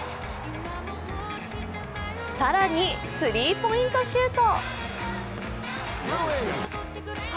更に、スリーポイントシュート。